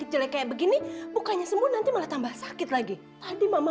c abus bana lagi deh